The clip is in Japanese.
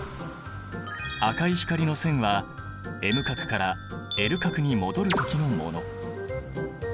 赤い光の線はＭ殻からＬ殻に戻る時のもの。